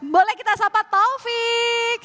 boleh kita sapa taufik